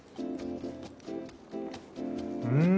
うん。